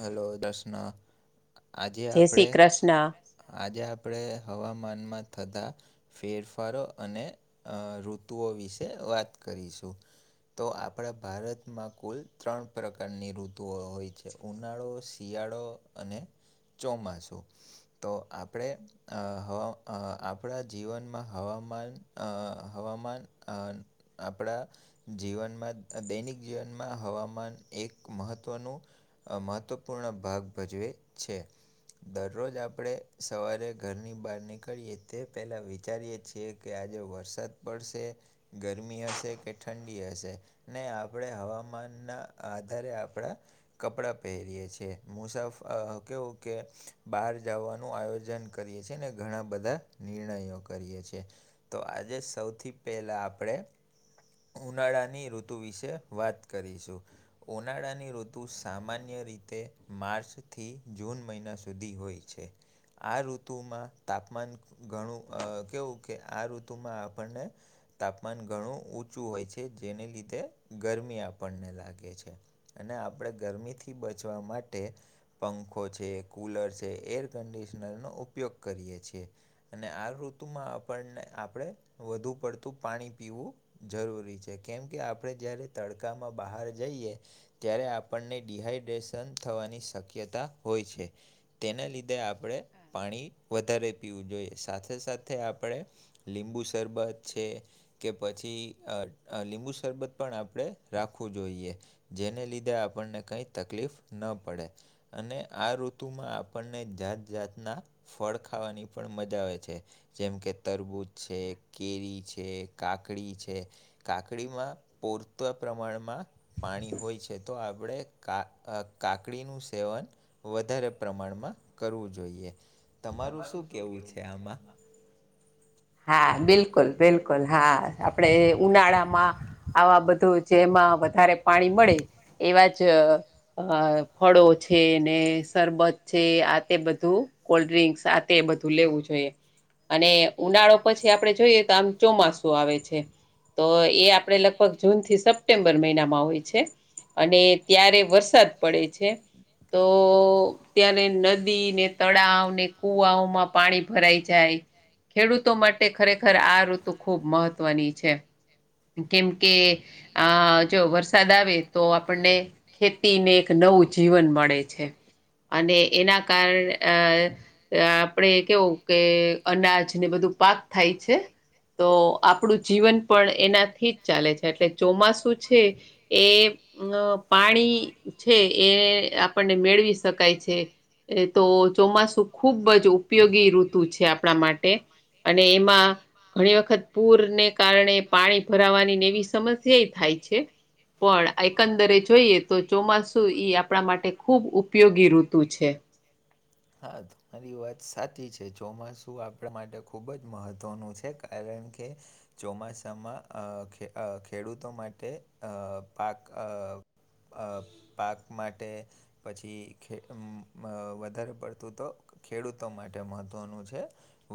Hello Darshana આજે જય શ્રી આપડે. કૃષ્ણ આજે આપણે હવામાનમાં થતા. ફેરફારો અને અ ઋતુઓ વિશે વાત કરીશું. તો આપણા ભારતમાં કુલ ત્રણ પ્રકારની ઋતુઓ હોય છે. ઉનાળો, શિયાળો, અને ચોમાસું. તો આપણે અ હવ આપણા જીવનમાં હવામાન. અ હવામાન અ આપણા. જીવનમાં દૈનિક જીવનમાં હવામાન એક મહત્ત્વનું. આ મહત્વપૂર્ણ ભાગ ભજવે છે. દરરોજ આપણે સવારે ઘરની બહાર નીકળીએ તે પહેલા વિચારીએ છીએ. જે કે આજે વરસાદ પડશે ગરમી હશે કે ઠંડી હશે. ને આપણે હવામાન ના આધારે આપણા. કપડાં પહેરીએ છીએ મુસાફ અ કેવું કે બહાર જવાનું આયોજન. કરીએ છીએ અને ઘણા બધા નિર્ણયો કરીએ છે. તો આજે સૌથી પહેલાં આપણે. ઉનાળાની ઋતુ વિશે વાત કરીશું ઉનાળાની ઋતુ. સામાન્ય રીતે માર્ચથી જૂન મહિના સુધી હોય છે. આ ઋતુમાં તાપમાન ઘણું અ કેવું કે આ ઋતુમાં આપણને. તાપમાન ઘણું ઊંચું હોય છે જેને લીધે ગરમી આપણને લાગે છે. અને આપણે ગરમીથી બચવા માટે. પંખો છે કૂલર છે એર કન્ડિશનરનો ઉપયોગ કરીએ છીએ. અને આ ઋતુમાં આપણને આપણે વધુ પડતું પાણી પીવું. જરૂરી છે કેમ કે આપણે જ્યારે તડકામાં બહાર જઈએ ત્યારે આપ. આપણને ડિહાઈડ્રેશન થવાની શક્યતા હોય છે. તેને લીધે આપણે પાણી વધારે પીવું જોઈએ સાથે સાથે આપણે. લીંબુ શરબત છે. કે પછી અ અ લીંબુ શરબત પણ આપડણે રાખવું જોઈએ. જેને લીધે આપણને કઈ તકલીફ ન પડે. અને આ ઋતુમાં આપણને જાત જાતના. ફળ ખાવાની પણ મજા આવે છે જેમ કે તરબૂજ છે કેરી છે. કાકડી છે. કાકડીમાં પૂરતા પ્રમાણમાં પાણી હોય છે તો. આપણે કા અ કાકડીનું સેવન. વધારે પ્રમાણમાં કરવું જોઈએ તમારું શું કહેવું છે આમાં. હા બિલકુલ બિલકુલ હા આપડે ઉનાળામાં. આવા બધું જેમાં વધારે પાણી મળે એવા જ. અ ફળો છે નેસ સરબત છે આ તે બધું કોલ્ડ્રિંક્સ આ તે બધું લેવું જોઈએ. અને ઉનાળો પછી આપડે જોઈએ તો આમ ચોમાસું આવે છે. તો એ આપણે લગભગ જૂનથી સપ્ટેમ્બર મહિનામાં હોય છે અને. ત્યારે વરસાદ પડે છે તો. ત્યા્યારે નદી ને તળાવ ને કુવાઓ માં પાણી ભરાઈ જાય. ખેડૂતો માટે ખરેખર આ ઋતુ ખૂબ મહત્વની છે. કેમ કે આ જો વરસાદ આવે તો આપણને. ખેતી ને એક નવું જીવન મળે છે. અને એના કારણે અ. આપડે કેવું કે અનાજને બધું પાક થાય છે. તો આપણું જીવન પણ એનાથી જ ચાલે છે એટલે ચોમાસું છે. એ અ પાણી છે એ આપણને મેળવી. શકાય છે એ તો ચોમાસું ખુબ જ ઉપયોગી ઋતુ છે આપણા માટે. અને એમાં. ઘણી વખત પૂરને કારણે પાણી ભરાવાની ને એવી સમસ્યાયે થાય છે. પણ એકંદરે જોઈએ તો ચોમાસું ઇ આપણા માટે ખુબ ઉપ ઉપયોગી ઋતુ છે. હાત. તારી વાત સાચી છે ચોમાસું આપણા માટે ખૂબ જ મહત્ત્વનું છે કારણ કે. ચોમાસામાં અ ખે અ ખેડૂતો માટે અ પાક અ. અ પાક માટે પછી ખે અમ અ વધારે પડતું તો ખેડૂતો માટે મહત્વનું છે.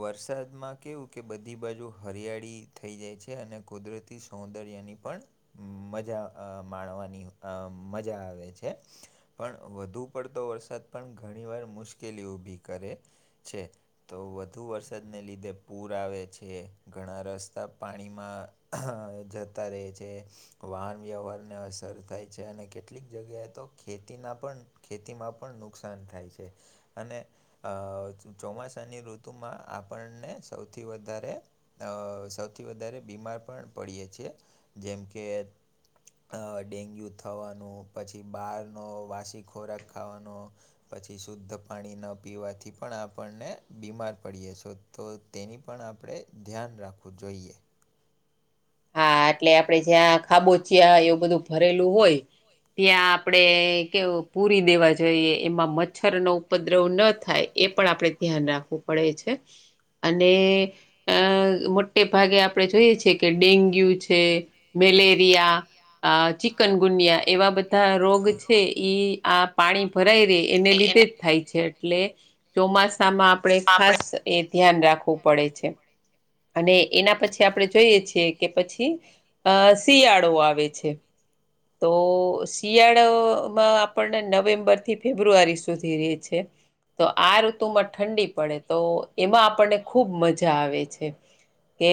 વરસાદમાં કેવું કે બધી બાજુ હરિયાળી થઈ જાય છે અને કુદરતી સૌદર્યની પણ મજા અ માણવાની અ મજા આવે છે. પણ વધુ પડતો વરસાદ પણ ઘણી વાર મુશ્કેલીઓ ઊભી કરે છે. તો વધુ વરસાદને લીધે પૂર આવે છે ઘણા રસ્તા પાણીમાં જતા રેય છે. વાહન વ્યવહારને અસર થાય છે અને કેટલીક જગ્યાએ તો ખેતીના પણ. ખેતીમાં પણ નુકસાન થાય છે. અને અ ચોમાસાની ઋતુમાં આપણને સૌથી વધારે અ સૌથી વધારે બીમાર પણ પડીએ છીએ જેમ કે. અ ડેન્ગ્યુ થવાનું પછી બારનો વાસી ખોરાક ખાવાનો પછી શુદ્ધ તક. પાણી ન પીવાથી પણ આપણને બીમાર પડીએ છો તો તેની પણ આપડે. ધ્યાન રાખવું જોઈએ. હા એટલે આપડે જ્યાં ખાબોચિયા એવું બધું ભરેલું હોય. ત્યાં આપડે કેવું પૂરી દેવા જોઈએ એમાં મચ છર નો ઉપદ્રવ ન થાય એ પણ આપણે ધ્યાન રાખવું પડે છે. અને અ મોટ ટે ભાગે આપણે જોઈએ છીએ કે ડેન્ગ્યુ છે મેલેરિયા આ ચિકનગુનીયા એવા બધા રોગ છે ઇ આ પાણી ભરાઈ રેય એને લીધે જ થાય છે એટલે ચોમાસામાં આપડે ખાસ એ ધ્યાન રાખવું પડે છે. અને એના પછી આપડે જોઈએ છીએ કે પછી. અ શિયાળો આવે છે તો શી શિયાળોમાં આપણને નવેમ્બર થી ફેબ્રુઆરી સુધી રિહે છે. તો આ ઋતુમાં ઠંડી પડે તો એમાં આપણને ખૂબ મજા આવે છે. કે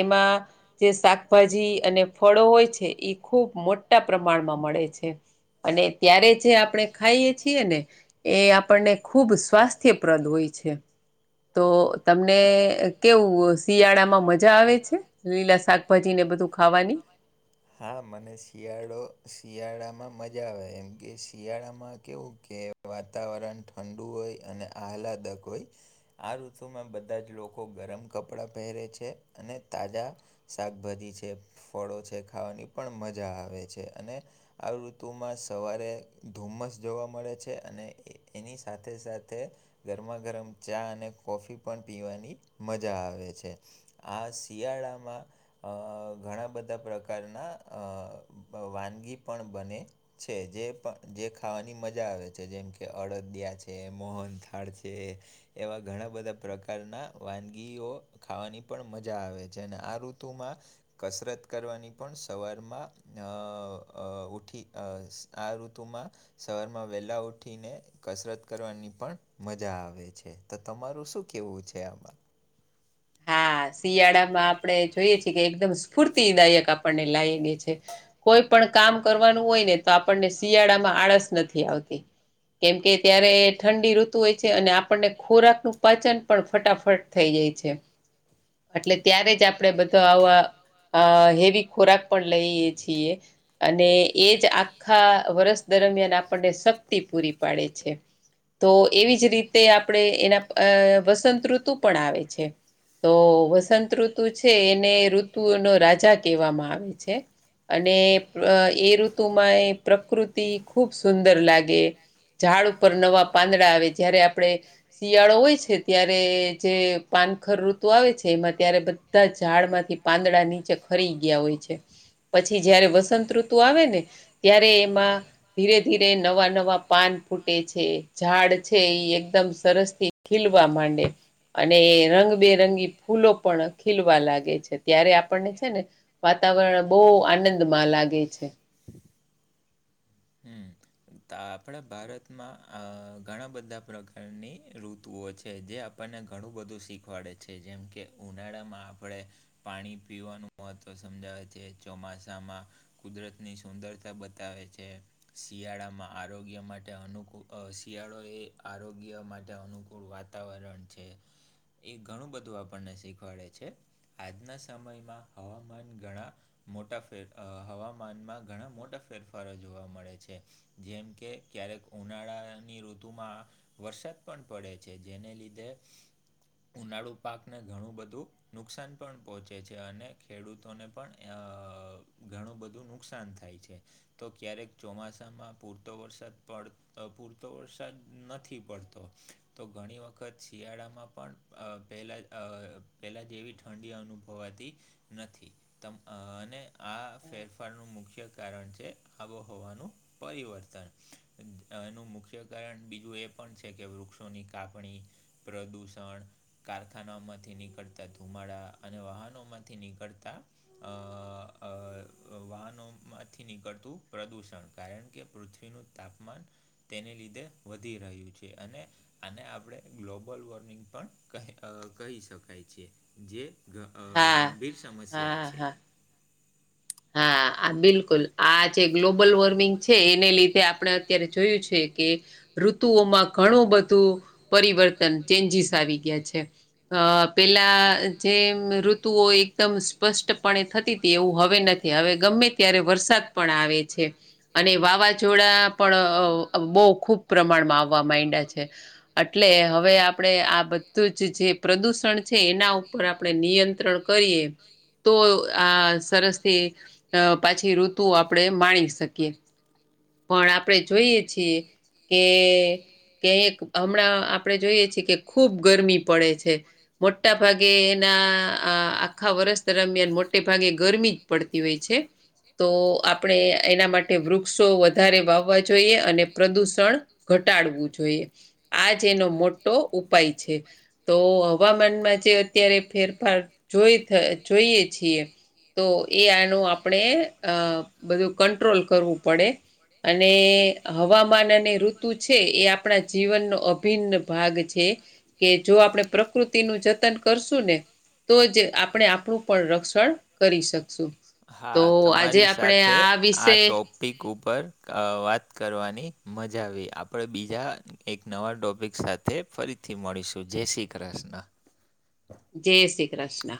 એમાં જે શાકભાજી અને ફળો હોય છે એ ખૂબ મોટ ટા પ્રમાણમાં મળે છે અને ત્યારે જે આપણે ખાઈએ છીએ ને એ આપણને ખૂબ સ્વાસ્થ્યપ્રદ હોય છે. તો તમને કેવું. શિયાળામાં મજા આવે છે લીલા શાકભાજી ને બધું ખાવાની. [inaudible] હા મને શિયાળો શિયાળામાં મજા આવે એમ કે શિયાળામાં કેવું કે વાતાવરણ ઠંડુ હોય અને આહલાદક ઓય આ ઋતુમાં બધ બધા જ લોકો ગરમ કપડાં પહેરે છે અને તાજા શાકભાજી છે ફળો છે ખાવાની પણ મજા આવે છે અને આ ઋતુમાં સવારે ધુમ્મસ જોવા મળે છે અને એ એની સાથે સાથે ગરમા ગરમ ચા અને કોફી પન પીવાની મજા આવે છે. આ શિયાળામાં અ ઘણા બધા પ્રકારના અ વાનગી પણ બને છે જે પ જે ખાવાની મજા આવે છે જેમ કે અડદિયા છે મોહનથાળ છે. એવા ઘણા બધા પ્રકારના વાનગીઓ ખાવાની પણ મજા આવે છે અને આ ઋતુમાં કસરત કરવાની પણ સવારમાં આ આ ઉઠી આ ઋતુમાં શવારમાં વહેલાં ઊઠીને કસરત કરવાની પણ મજા આવે છે તો તમારું શું કેવું છે આમાં. હા શિયાળામાં આપણે જોઈએ છીએ કે એકદમ સ્ફૂર્તિ દાયકા આપને લાવે છે કોઈ પણ કામ કરવાનું હોય ને તો આપણને શિયાળામાં આળસ નથી આવતી કેમકે ત્યારે ઠંડી ઋતુ હોય છે અને આપણને ખોરાકનું પાચન પણ ફટાફટ થઈ જાય છે. એટલે ત્યારે જ આપણે બધો આવા હેવી ખોરાક પણ લઈએ છીએ. અને એ જ આખા વર્ષ દરમિયાન આપણને શક્તિ પૂરી પાડે છે. તો એવી જ રીતે આપણે એના આ વસંતઋતુ પણ આવે છે. તો વસંત ઋતુ છે એને ઋતુનો રાજા કહેવામાં આવે છે. અને એ ઋતુમાં એ પ્રકૃતિ ખૂબ સુંદર લાગે. ઝાડ ઉપર નવા પાંદડા આવે જય્યારે આપડે શિયાળો હોય છે ત્યારે જે પાનખરુ તો આવે છે એમાં ત્યારે બધા ઝાડમાંથી પાંદડા નીચે ખરી ગયા હોય છે. પછી જયારે વસંત ઋતુ આવે ને ત્યારે એમાં ધીરે ધીરે નવા નવા પાન ફૂટે છે ઝાડ છે એ એકદમ સરસ થી ખીલવા માંડે અને એ રંગ બેરંગી ફૂલો પણ ખીલવા લાગે છે ત્યારે આપણને છે ને વાતાવરણ બહુ આનંદમાં લાગે છે. હમ તા આપણા ભારતમાં આ ઘણા બધા પ્રકારની ઋતુઓ છે જે આપણને ઘણું બધું શીખવાડે છે જેમ કે ઉનાળામાં આપણે પાણી પીવાનું મહત્વ સમજાવે છે ચોમાસામાં કુદરતની સુંદરતા બતાવે છે શિયાળામાં આરોગ્ય માટે અનુકૂળ આ શિયાળો એ આરોગ્ય માટે અનુકૂળ વાતાવરણ છે. એ ઘણું બધું આપણને શીખવાડે છે આજના સમયમાં હવામાન ઘણા મોટા ફેર આ હવામાનમાં ઘણા મોટા ફેરફારો જોવા મળે છે. જેમ કે ક્યારેક ઉનાળાની ઋતુમાં વરસાદ પણ પડે છે જેને લીધે ઉનાળુ પાકને ઘણું બધું નુકસાન પણ પહોંચે છે અને ખેડૂતોને પણ આ ઘણું બધું નુકસાન થય. થાય છે તો ક્યારેક ચોમાસામાં પૂરતો વરસાદ પડ તો પૂરતો વરસાદ નથી પડતો તો ઘણી વખત શિયાળામાં પણ આ પહેલાં આ પહેલાં જેવી ઠંડી અનુભવતી નથી તમ આ અને આ ફેરફારનું મુખ્ય કારણ છે આબોહવાનું પરિવર્તન. એનું મુખ્ય કારણ બીજું એ પણ છે કે વૃક્ષોની કાપણી પ્રદૂષણ કારખાના માંથી નીકળતા ધુમાડા અને વાહનો માંથી નીકળતા અ આ વાહનોમાંથી નીકળતું પ્રદૂષણ કારણ કે પૃથ્વીનું તાપમાન તેને લીધે વધી રહ્યું છે અને અને આપણે ગ્લોબલ વોર્મિંગ પણ કહી કહી શકાય છે જે ગ હા ગંભીર સમસ્યા હા છે. હા હા આ બિલકુલ આ જે ગ્લોબલ વોર્મિંગ છે એને લીધે આપણે અત્યારે જોયું છે કે ઋતુઓમાં ઘણું બધું પરિવર્તન ચેન્જીસ આવી ગયા છે. અ પેલા જે ઋતુઓ એકદમ સ્પષ્ટપણે થતી હતી એવું હવે નથી હવે ગમે ત્યારે વરસાદ પડ પણ આવે છે અને વાવાઝોડા પણ બહુ ખુબ પ્રમાણમાં આવવા માંડા છે. એટલે હવે આપણે આ બધું જ જે પ્રદૂષણ છે એના ઉપર આપણે નિયંત્રણ કરીએ તો આ સરસ થી પાછી તો આપણે માણી શકીએ. પણ આપડણે જોઈએ છીએ કે કઈક હમણાં આપડણે જોઈએ છીએ કે ખૂબ ગરમી પડે છે મોટા ભાગે એના આખા વર્ષ દરમિયાન મોટે ભાગે ગરમી જ પડતી હોય છે. તો આપણે એના માટે વૃક્ષો વધારે વાવવા જોઈએ અને પ્રદૂષણ ઘટાડવું જોઈએ આજ એનો મોટો ઉપાય છે તો હવામાનમાં જે અત્યારે ફેરફાર જોઈ જોઈએ છીએ તો એ આનું આપણે અ બધું કંટ્રોલ કરવું પડે. અને હવામાન અને ઋતુ છે એ આપણા જીવનનો અભિન્ન ભાગ છે. કે જો આપણેે પ્રકૃતિ નું જતન કરશું ને તો જ આપણે આપણું પણ રક્ષણ કરી શકશું. તો હા આજે તમારી આપણે સાથે આ વિશે ટોપ ક ઉપર વાત કરવાની મજા આવી આપડે બીજા એક નવા ટોપિક સાથે ફરીથી મળીશું જય શ્રી કૃષ્ણ. જય શ્રી કૃષ્ણ.